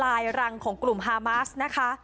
และก็บุกทลายรังของกลุ่มฮามาสนะคะ